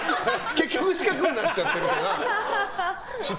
結局、四角になっちゃってるみたいな。